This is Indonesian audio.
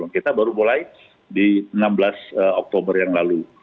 kita baru mulai di enam belas oktober yang lalu